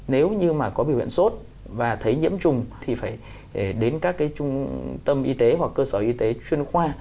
nếu như mà có biểu hiện sốt và thấy nhiễm trùng thì phải đến các cái trung tâm y tế hoặc cơ sở y tế chuyên khoa